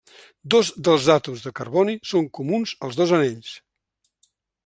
Dos dels àtoms de carboni són comuns als dos anells.